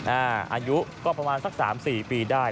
อายุก็ประมาณสัก๓๔ปีได้